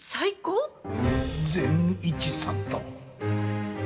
善一さんと。